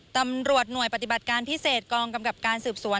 ตำรวจหน่วยปฏิบัติการพิเศษกองกำกับการสืบสวน